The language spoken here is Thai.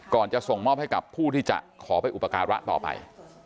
จะส่งมอบให้กับผู้ที่จะขอไปอุปการะต่อไป